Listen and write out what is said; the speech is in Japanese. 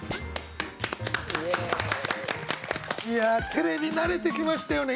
テレビ慣れてきましたよね。